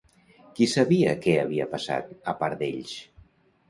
Qui sabia què havia passat, a part d'ells?